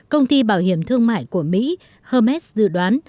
công ty bảo hiểm thương mại của mỹ hermes dự đoán